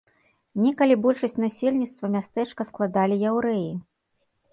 Некалі большасць насельніцтва мястэчка складалі яўрэі.